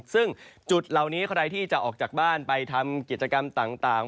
ซึ่งจุดเหล่านี้ใครที่จะออกจากบ้านไปทำกิจกรรมต่าง